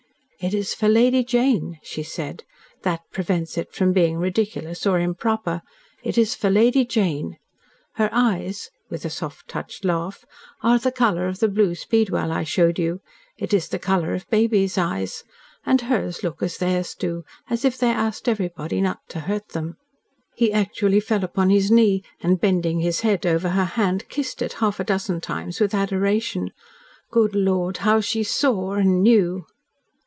"It is for Lady Jane," she said. "That prevents it from being ridiculous or improper. It is for Lady Jane. Her eyes," with a soft touched laugh, "are the colour of the blue speedwell I showed you. It is the colour of babies' eyes. And hers look as theirs do as if they asked everybody not to hurt them." He actually fell upon his knee, and bending his head over her hand, kissed it half a dozen times with adoration. Good Lord, how she SAW and KNEW!